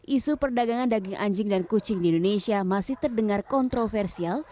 isu perdagangan daging anjing dan kucing di indonesia masih terdengar kontroversial